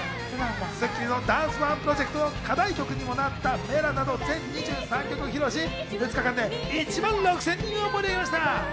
『スッキリ』のダンスＯＮＥプロジェクトの課題曲にもなった『Ｍｅｌａ！』など全２３曲を披露し、２日間で１万６０００人を盛り上げました。